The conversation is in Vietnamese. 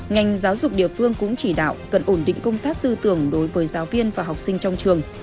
ngành giáo dục địa phương cũng chỉ đạo cần ổn định công tác tư tưởng đối với giáo viên và học sinh trong trường